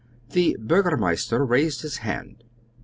The Burgomeister raised his hand.